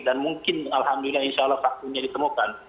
dan mungkin alhamdulillah insya allah faktunya ditemukan